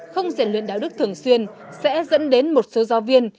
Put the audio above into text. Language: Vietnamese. không rèn luyện đạo đức thường xuyên sẽ dẫn đến một số giáo viên